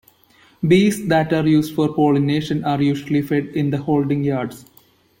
Bees that are used for pollination are usually fed in the holding yards.